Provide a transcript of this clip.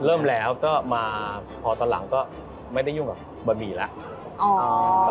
เริ่มแล้วก็มาพอตอนหลังก็ไม่ได้ยุ่งกับบะหมี่แล้ว